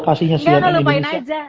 kasihan indonesia enggak lu lupain aja